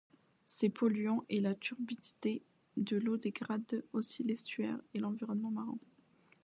Ces polluants et la turbidité de l'eau dégradent aussi l'estuaire et l'environnement marin.